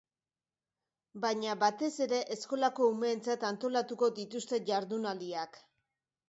Baina, batez ere, eskolako umeetzat antolatuko dituzte jardunaldiak.